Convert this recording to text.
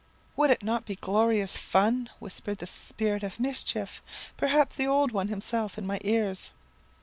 "'Would it not be glorious fun?' whispered the spirit of mischief perhaps the old one himself in my ears.